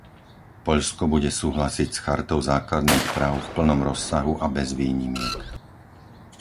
Poľsko bude súhlasiť s Chartou základných práv v plnom rozsahu a bez výnimiek.